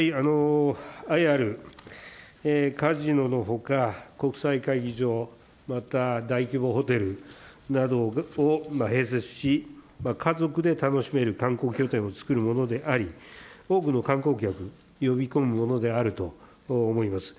ＩＲ、カジノのほか、国際会議場、また大規模ホテルなどを併設し、家族で楽しめる観光拠点をつくるものであり、多くの観光客を呼び込むものであると思います。